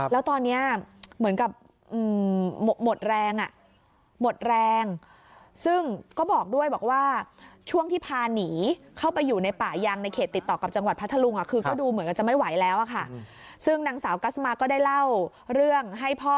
แล้วตอนนี้เหมือนกับหมดแรง